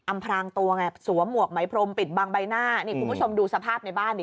พรางตัวไงสวมหวกไหมพรมปิดบางใบหน้านี่คุณผู้ชมดูสภาพในบ้านดิ